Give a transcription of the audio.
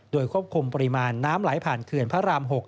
โดยควบคุมปริมาณน้ำไหลผ่านเขื่อนพระราม๖